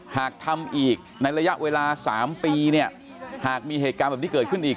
หากทำอีกในระยะเวลา๓ปีเนี่ยหากมีเหตุการณ์แบบนี้เกิดขึ้นอีก